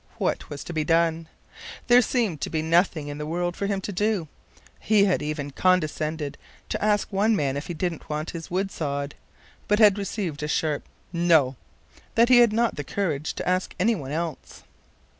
What was to be done? There seemed to be nothing in the world for him to do. He had even condescended to ask one man if he didn't want his wood sawed, but had received such a sharp "No" from him that he had not the courage to ask any one else.